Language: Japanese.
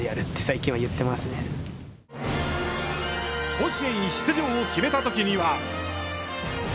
甲子園出場を決めたときには。